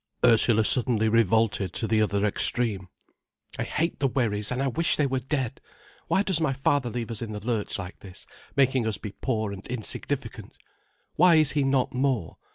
Ursula suddenly revolted to the other extreme. "I hate the Wherrys, and I wish they were dead. Why does my father leave us in the lurch like this, making us be poor and insignificant? Why is he not more?